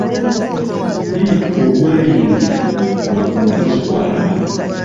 Bittu olwayingira nga ku mukazi kw'alaba.